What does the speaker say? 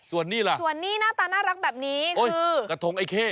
ส่วนนี้ล่ะส่วนนี้หน้าตาน่ารักแบบนี้คือกระทงไอ้เข้